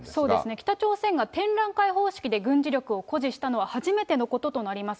北朝鮮が展覧会方式で軍事力を誇示したのは初めてのこととなります。